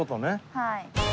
はい。